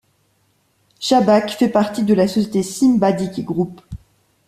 Schabak fait partie de la société Simba Dikie group.